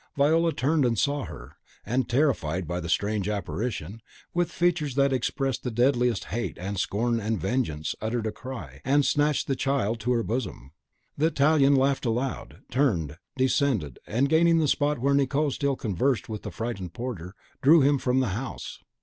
Viola turned, and saw her, and, terrified by the strange apparition, with features that expressed the deadliest hate and scorn and vengeance, uttered a cry, and snatched the child to her bosom. The Italian laughed aloud, turned, descended, and, gaining the spot where Nicot still conversed with the frightened porter drew him from the house.